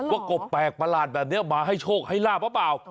กบแปลกประหลาดแบบนี้มาให้โชคให้ลาบหรือเปล่า